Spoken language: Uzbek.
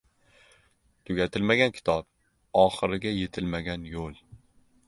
• Tugatilmagan kitob — oxiriga yetilmagan yo‘l.